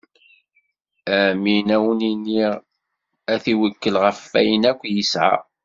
Amin, ad wen-iniɣ: ad t-iwekkel ɣef wayen akk yesɛa.